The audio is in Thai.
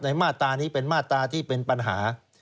มาตรานี้เป็นมาตราที่เป็นปัญหา